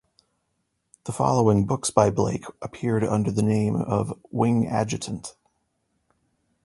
The following books by Blake appeared under the name of "Wing Adjutant"